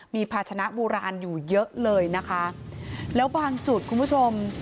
มีภาชนะโบราณอยู่เยอะเลยนะคะแล้วบางจุดคุณผู้ชม